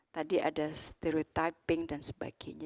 tadi ada stereotyping dan sebagainya